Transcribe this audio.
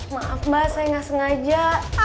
maaf mbak saya nggak sengaja